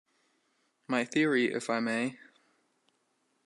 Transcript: My theory, if I may...?